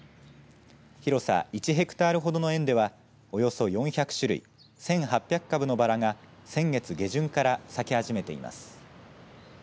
広さ１ヘクタールほどの園ではおよそ４００種類１８００株のバラが先月下旬から咲き始めています。